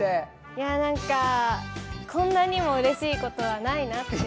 いや何かこんなにもうれしい事はないなっていう。